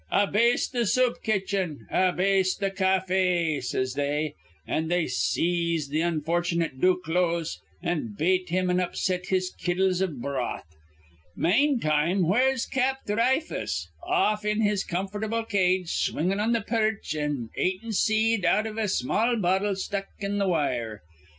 'A base th' soup kitchen! A base th' caafe!' says they; an' they seize th' unfortunate Duclose, an' bate him an' upset his kettles iv broth. Manetime where's Cap Dhry fuss? Off in his comfortable cage, swingin' on th' perch an' atin' seed out iv a small bottle stuck in th' wire.